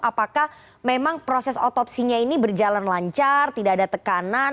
apakah memang proses otopsinya ini berjalan lancar tidak ada tekanan